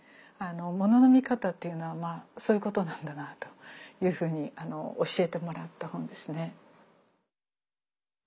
物の見方っていうのはそういうことなんだなというふうに教えてもらった本ですね。